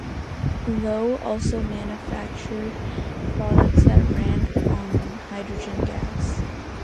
Lowe also manufactured products that ran on hydrogen gas.